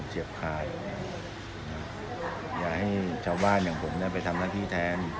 เชียบคายอย่าให้ชาวบ้านอย่างผมเนี่ยไปทำหน้าที่แทน